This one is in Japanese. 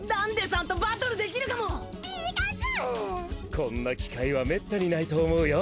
こんな機会はめったにないと思うよ。